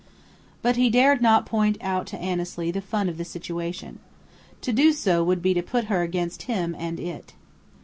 But he dared not point out to Annesley the fun of the situation. To do so would be to put her against him and it.